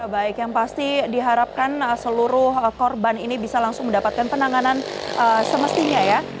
baik yang pasti diharapkan seluruh korban ini bisa langsung mendapatkan penanganan semestinya ya